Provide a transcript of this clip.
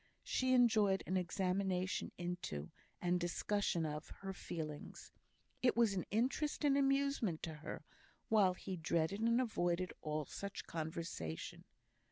She enjoyed an examination into, and discussion of, her feelings; it was an interest and amusement to her, while he dreaded and avoided all such conversation.